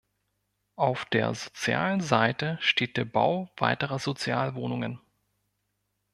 Auf der sozialen Seite steht der Bau weiterer Sozialwohnungen.